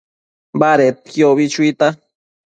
Badedquio ubi chuita